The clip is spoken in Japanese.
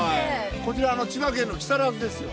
こちら千葉県の木更津ですよ。